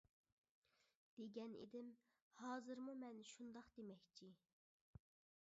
دېگەن ئىدىم، ھازىرمۇ مەن شۇنداق دېمەكچى!